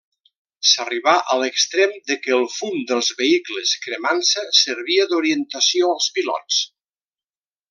S'arribà a l'extrem de què el fum dels vehicles cremant-se servia d'orientació als pilots.